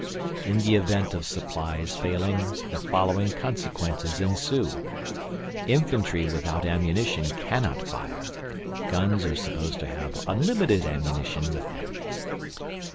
In the event of supplies failing, the following consequences ensue: Infantry without ammunition cannot fire (guns are supposed to have unlimited ammunition with them).